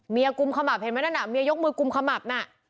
เมียกุมขมับเห็นไหมนะมียกมือกุมขมับ